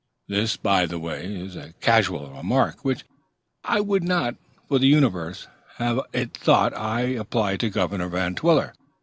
This, by the way, is a casual remark, which I would not, for the universe, have it thought I apply to Governor Van Twiller.